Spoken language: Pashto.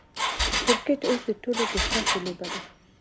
کرکټ اوس د ټولو د خوښې لوبه ده.